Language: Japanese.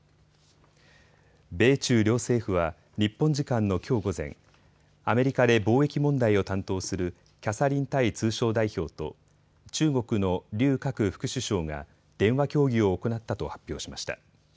米中両政府は日本時間のきょう午前、アメリカで貿易問題を担当するキャサリン・タイ通商代表と中国の劉鶴副首相が電話協議を行ったと発表しました。